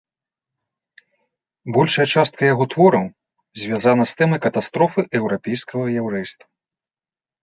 Большая частка яго твораў звязана з тэмай катастрофы еўрапейскага яўрэйства.